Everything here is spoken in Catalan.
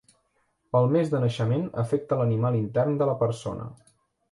El mes de naixement afecta l'animal intern de la persona.